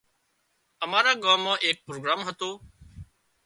امارا ڳام مان ايڪ پروگرام هتو